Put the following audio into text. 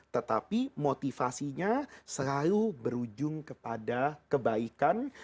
tetapi motivasinya selalu berujung kepada kebaikan